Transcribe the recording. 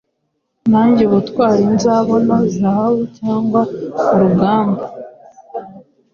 Nanjye ubutwari nzabona zahabucyangwa urugamba